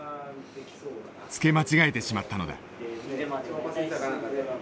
つけ間違えてしまったのだ。